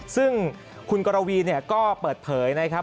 ซึ่งคุณกรวีก็เปิดเผยนะครับ